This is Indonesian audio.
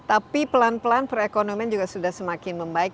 tapi pelan pelan perekonomian juga sudah semakin membaik